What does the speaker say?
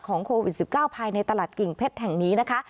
โควิด๑๙ภายในตลาดกิ่งเพชรแห่งนี้นะคะ